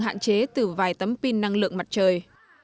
hạn chế từ vài tấm pin năng lượng mặt trời